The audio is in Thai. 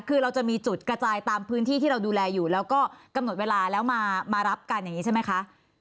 คือเราจะมีจุดกระจายตามพื้นที่ที่เราดูแลอยู่แล้วก็กำหนดเวลาแล้วมารับกันอย่างนี้ใช่ไหมคะ